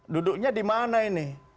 duduknya di mana ini